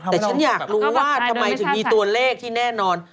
แต่ฉันอยากรู้ว่าทำไมถึงมีตัวเลขที่แน่นอน